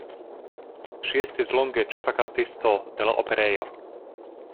Ŝi estis longe ĉefa kantisto de la Operejo.